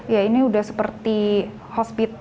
ya ini udah seperti hospital